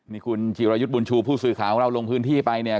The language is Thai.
นี่คุณจิรายุทธ์บุญชูผู้สื่อข่าวของเราลงพื้นที่ไปเนี่ย